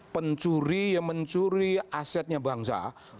pencuri yang mencuri asetnya bangsa